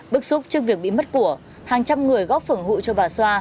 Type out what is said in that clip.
bức xúc trước việc bị mất của hàng trăm người góp phưởng hụi cho bà xoa